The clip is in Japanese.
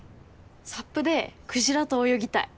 サップでクジラと泳ぎたい。